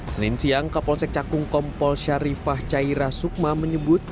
senin siang kapolsek cakung kompol syarifah caira sukma menyebut